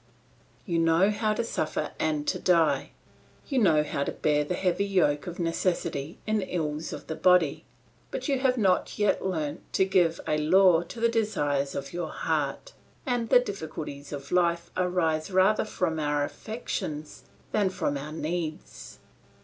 "You know how to suffer and to die; you know how to bear the heavy yoke of necessity in ills of the body, but you have not yet learnt to give a law to the desires of your heart; and the difficulties of life arise rather from our affections than from our needs.